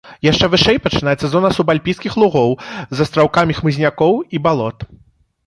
Яшчэ вышэй пачынаецца зона субальпійскіх лугоў з астраўкамі хмызнякоў і балот.